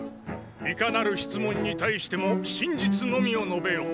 いかなる質問に対しても真実のみを述べよ。